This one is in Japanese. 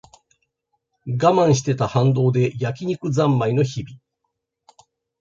我慢してた反動で焼き肉ざんまいの日々